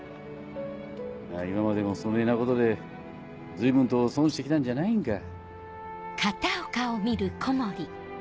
今までもそねぇなことで随分と損して来たんじゃないんか。